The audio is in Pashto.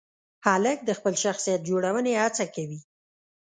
هلک د خپل شخصیت جوړونې هڅه کوي.